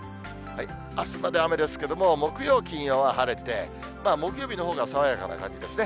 あすまで雨ですけれども、木曜、金曜は晴れて、木曜日のほうが爽やかな感じですね。